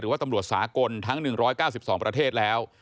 ว่าตำรวจสากลทั้ง๑๙๒ประเทศแล้ว